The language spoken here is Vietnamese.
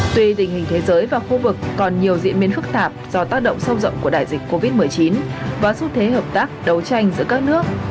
tuy tình hình thế giới và khu vực còn nhiều diễn biến phức tạp do tác động sâu rộng của đại dịch covid một mươi chín và xu thế hợp tác đấu tranh giữa các nước